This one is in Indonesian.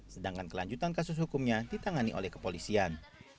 sedangkan kelanjutan kasus hukumnya ditangani oleh kepolisian